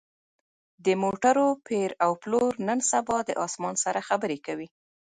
د موټرو پېر او پلور نن سبا د اسمان سره خبرې کوي